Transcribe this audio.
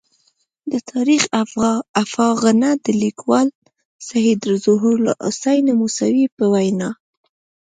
د تاریخ افاغنه د لیکوال سید ظهور الحسین موسوي په وینا.